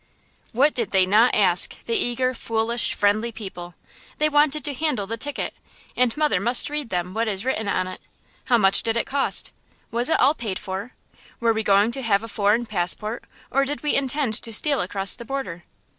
What did they not ask, the eager, foolish, friendly people? They wanted to handle the ticket, and mother must read them what is written on it. How much did it cost? Was it all paid for? Were we going to have a foreign passport or did we intend to steal across the border?